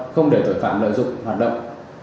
không để tội phạm lợi dụng hoạt động